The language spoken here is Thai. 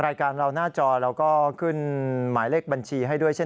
รายการเราหน้าจอเราก็ขึ้นหมายเลขบัญชีให้ด้วยเช่น